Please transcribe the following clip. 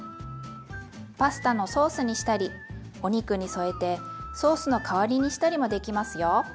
パスタのソースにしたりお肉に添えてソースの代わりにしたりもできますよ。